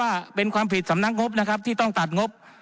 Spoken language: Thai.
ว่าเป็นความผิดสำนักงบนะครับที่ต้องตัดงบ